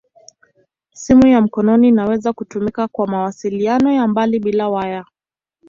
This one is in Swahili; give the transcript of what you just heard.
Simu ya mkononi inaweza kutumika kwa mawasiliano ya mbali bila waya.